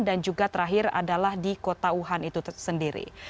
dan juga terakhir adalah di kota wuhan itu sendiri